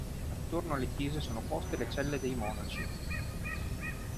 Attorno alle chiese sono poste le celle dei monaci.